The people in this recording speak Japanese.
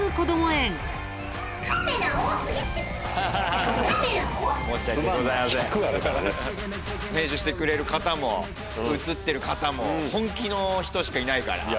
編集してくれる方も映ってる方も本気の人しかいないから。